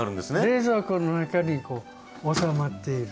冷蔵庫の中にこうおさまっている。